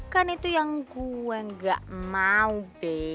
kan itu yang gue gak mau b